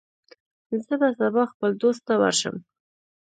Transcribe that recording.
زه به سبا خپل دوست ته ورشم.